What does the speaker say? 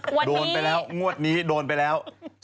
งวดนี้งวดนี้โดนไปแล้ว